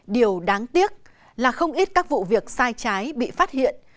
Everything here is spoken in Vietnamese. điều đáng tiếc là không ít các vụ việc sai trái bị phát hiện